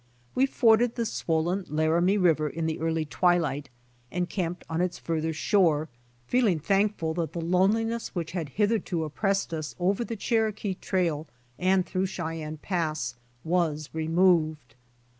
We forded the swollen Laramie river in the early twilight and camped on its farther shore, feeling thankful that the loneliness which had hitherto oppressed us over the Cherokee trail and through Cheyenne Pass was removed.